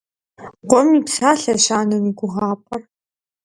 Къуэм и псалъэщ анэм и гугъапӏэр.